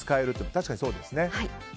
確かにそうですね。